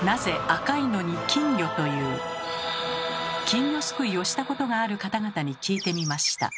金魚すくいをしたことがある方々に聞いてみました。